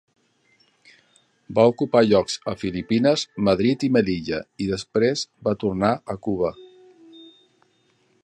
Va ocupar llocs a Filipines, Madrid i Melilla, i després va tornar a Cuba.